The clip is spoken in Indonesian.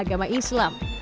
bukan hanya di dunia islam